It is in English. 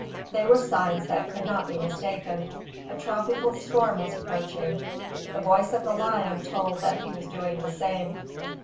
They were signs that could not be mistaken. A tropical storm was approaching. The voice of the lion told that he was doing the same.